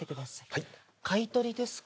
はい買い取りですか？